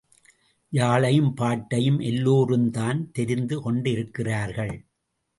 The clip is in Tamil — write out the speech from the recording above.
யாழையும் பாட்டையும் எல்லோரும்தான் தெரிந்து கொண்டிருக்கிறார்கள்!